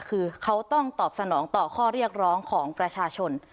คือเขาต้องตอบสนองต่อข้อเรียกร้องของประชาชน